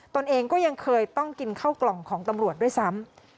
ตัวเองก็ยังเคยต้องกินข้าวกล่องของตำรวจด้วยซ้ำ